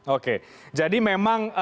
oke jadi memang